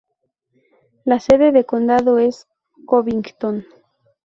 La sede de condado es Covington.